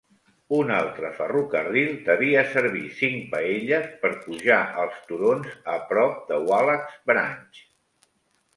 Un altre ferrocarril deia servir cinc paelles per pujar els turons a prop de Wallacks Branch.